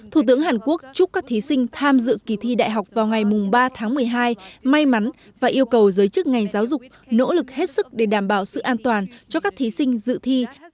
thủ tướng hàn quốc chúc các thí sinh tham dự kỳ thi đại học vào ngày ba tháng một mươi hai may mắn và yêu cầu giới chức ngành giáo dục nỗ lực hết sức để đảm bảo sự an toàn cho các thí sinh dự thi